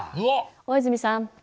大泉さん